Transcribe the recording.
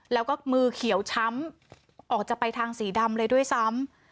แล้วก็มือเขียวช้ำออกจะไปทางสีดำเลยด้วยซ้ำ